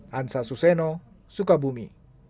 hansa suseno sukabumi